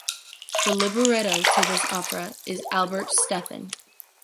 The libretto to this opera is by Albert Steffen.